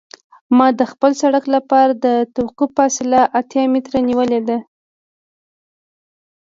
ما د خپل سرک لپاره د توقف فاصله اتیا متره نیولې ده